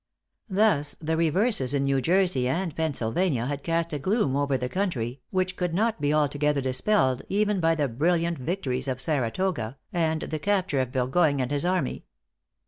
Thus the reverses in New Jersey and Pennsylvania had cast a gloom over the country, which could not be altogether dispelled even by the brilliant victories of Saratoga and the capture of Burgoyne and his army.